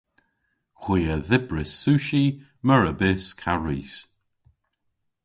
Hwi a dhybris sushi, meur a bysk ha ris.